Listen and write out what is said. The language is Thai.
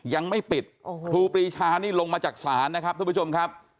ยังไม่ปิดครูปรีชานี่ลงมาจากศาลนะครับทุกผู้ชมครับ